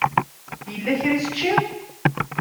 Yella kra i teččiḍ?